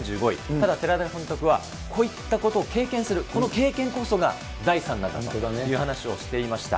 ただ、寺田監督はこういったことを経験する、この経験こそが財産なんだという話をしていました。